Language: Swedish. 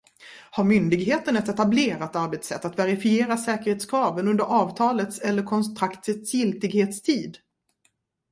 Har myndigheten ett etablerat arbetssätt att verifiera säkerhetskraven under avtalets eller kontraktets giltighetstid?